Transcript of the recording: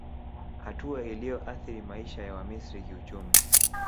Hatua iliyoathiri maisha ya Wamisri kiuchumi